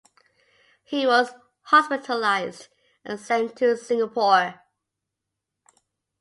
He was hospitalized and sent to Singapore.